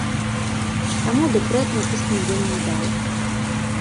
Таму дэкрэт напісаны вельмі ўдала.